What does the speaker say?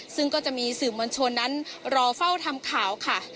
ซึ่งก็จะมีสื่อมวลชนนั้นรอเฝ้าทำข่าวค่ะ